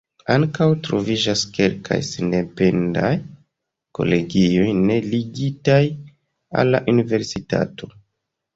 Ankaŭ troviĝas kelkaj sendependaj kolegioj ne ligitaj al la universitato.